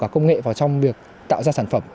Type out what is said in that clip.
công nghệ vào trong việc tạo ra sản phẩm